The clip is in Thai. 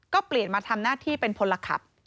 ก็เปลี่ยนมาทำหน้าที่เป็นพลขับ